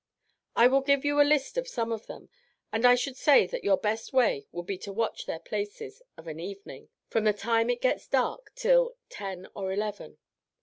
I will give you a list of some of them, and I should say that your best way would be to watch their places of an evening, from the time it gets dark till ten or eleven.